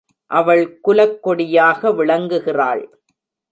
அவள் குலக் கொடியாக விளங்குகிறாள்.